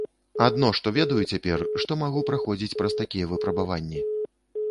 Адно што ведаю цяпер, што магу праходзіць праз такія выпрабаванні.